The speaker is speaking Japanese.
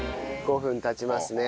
５分経ちますね。